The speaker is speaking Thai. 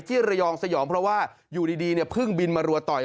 ที่ระยองสยองเพราะว่าอยู่ดีเพิ่งบินมารัวต่อย